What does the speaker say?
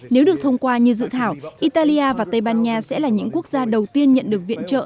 nếu được thông qua như dự thảo italia và tây ban nha sẽ là những quốc gia đầu tiên nhận được viện trợ